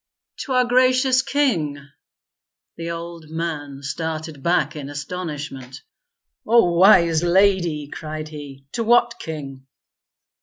"To our gracious king." The old man started back in astonishment. "O Wise Lady!" cried he. "To what king."